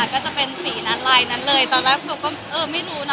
ก็จะเป็นสีนั้นลายนั้นเลยตอนแรกเบลก็เออไม่รู้นะ